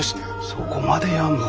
そこまでやるの？